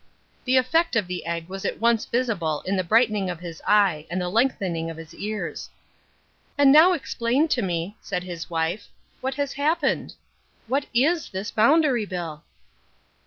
The effect of the egg was at once visible in the brightening of his eye and the lengthening of his ears. "And now explain to me," said his wife, "what has happened. What is this Boundary Bill?"